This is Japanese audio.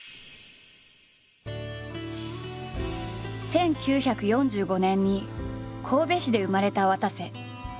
１９４５年に神戸市で生まれたわたせ。